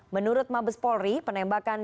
menurut mabes polri penembakan